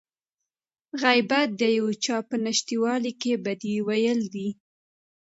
غيبت د يو چا په نشتوالي کې بدي ويل دي.